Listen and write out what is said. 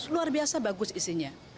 luar biasa bagus isinya